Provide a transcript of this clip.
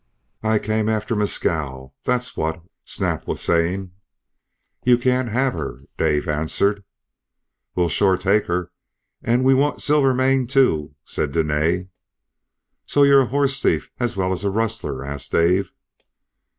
"'I came after Mescal, that's what,' Snap was saying. "'You can't have her,' Dave answered. "'We'll shore take her, an' we want Silvermane, too,' said Dene. "'So you're a horse thief as well as a rustler?' asked Dave.